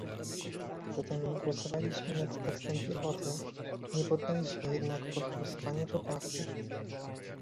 Zatem głosowaliśmy nad tekstem pierwotnym, nie poddaliśmy jednak pod głosowanie poprawki